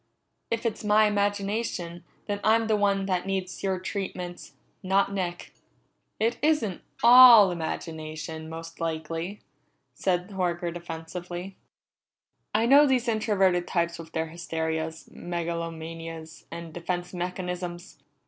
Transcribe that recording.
If it's my imagination, then I'm the one that needs your treatments, not Nick." "It isn't all imagination, most likely," said Horker defensively. "I know these introverted types with their hysterias, megalomanias, and defense mechanisms!